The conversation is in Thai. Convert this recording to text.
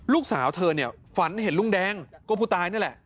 ลูกสาวเธอฝันเห็นรุ่งแดงก็พูดตายนั่นแหละ